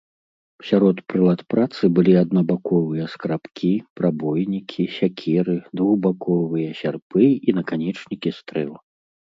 Сярод прылад працы былі аднабаковыя скрабкі, прабойнікі, сякеры, двухбаковыя сярпы і наканечнікі стрэл.